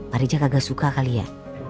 parija kagak suka kali ya